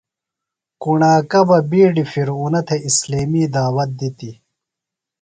کُݨاکہ بڈیۡ فرعونہ تھےۡ اِسلیمی دعوت دِتیۡ۔